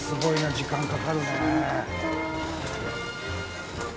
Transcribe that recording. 時間かかるね。